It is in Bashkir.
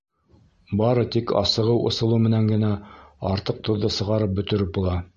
Бары тик асығыу ысулы менән генә артыҡ тоҙҙо сығарып бөтөрөп була!